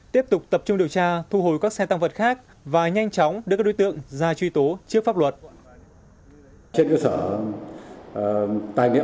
tiếp tục tập trung điều tra thu hồi các xe tăng vật khác và nhanh chóng đưa các đối tượng ra truy tố trước pháp luật